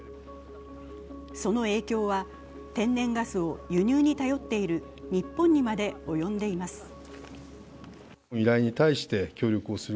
その影響は天然ガスを輸入に頼っている日本にまで及んでいます。